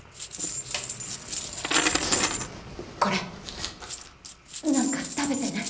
これ何か食べてね。